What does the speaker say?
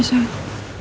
aku mau pulang